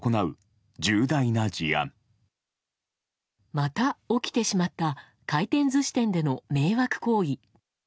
また起きてしまった回転寿司店での迷惑行為。